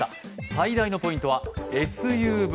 最大のポイントは、ＳＵＶ。